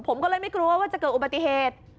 ผมก็เลยไม่กลัวว่าจะเกิดอุบัติเหตุ